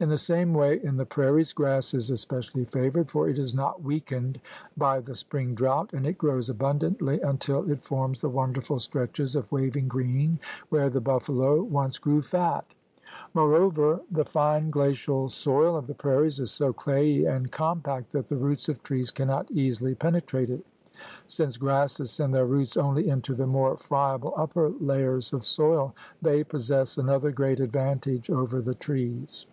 In the same way in the prairies, grass is especially favored, for it is not weakened by the spring drought, and it grows abundantly until it forms the wonderful stretches of waving green where the buffalo once grew fat. Moreover the 110 THE RED MAN'S CONTINENT fine glacial soil of the prairies is so clayey and com pact that the roots of trees cannot easily penetrate it. Since grasses send their roots only into the more friable upper layers of soil, they possess another great advantage over the trees.